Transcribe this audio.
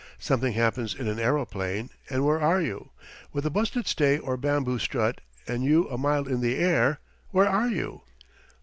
Something happens in an aeroplane, and where are you? With a busted stay or bamboo strut and you a mile in the air, where are you?